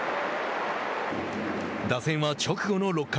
打線は直後の６回。